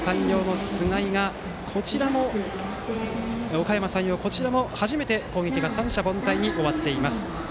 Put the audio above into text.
おかやま山陽、こちらも初めて攻撃が三者凡退に終わっています。